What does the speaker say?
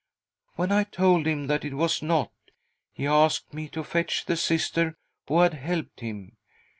When I told him that it was, not, he asked me to fetch the Sister who had helped him.